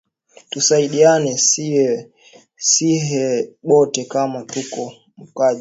Tusaidiane shiye bote kama tuko mu kaji